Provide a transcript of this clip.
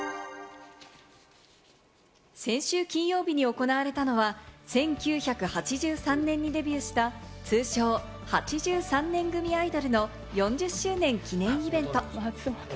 先週金曜日に行われたのは１９８３年にデビューした、通称・８３年組アイドルの４０周年記念イベント。